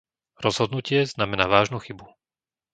Rozhodnutie znamená vážnu chybu.